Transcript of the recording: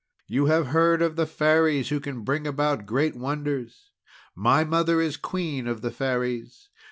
"You have heard of the Fairies who can bring about great wonders. My mother is Queen of the Fairies.